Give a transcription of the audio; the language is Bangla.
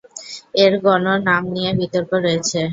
এর গণ নাম নিয়ে বিতর্ক রয়েছে।